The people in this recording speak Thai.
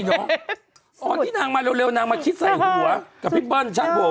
เออนางมาเร็วนางมาคิดไห้หัวกับพี่เปิ้ลชั้นผม